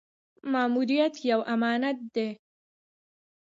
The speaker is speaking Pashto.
ماموریت یو امانت دی